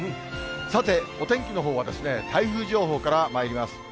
さて、お天気のほうは台風情報からまいります。